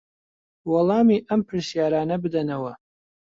وەڵامی ئەم پرسیارانە بدەنەوە